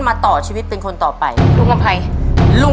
เดี๋ยวฟุ้มใหญ่นิดนึง